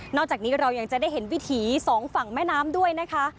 จากนี้เรายังจะได้เห็นวิถีสองฝั่งแม่น้ำด้วยนะคะ